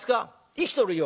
「生きとるよ。